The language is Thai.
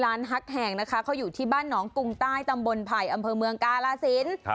ร้านฮักแหงค่ะเขาอยู่ที่บ้านหนองกุงตายตำบลไพ่อำเภอเมืองกาลาสิน